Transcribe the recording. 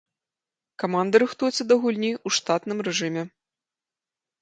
Каманда рыхтуецца да гульні ў штатным рэжыме.